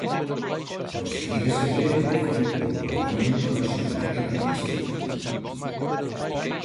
Conseguir ese premio foi o coroamento da súa carreira artística.